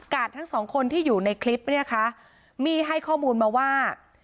ทั้งสองคนที่อยู่ในคลิปเนี่ยนะคะมี่ให้ข้อมูลมาว่า